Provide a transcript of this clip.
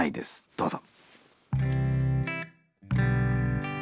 どうぞ。